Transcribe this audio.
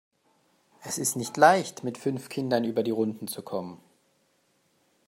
Es ist nicht leicht, mit fünf Kindern über die Runden zu kommen.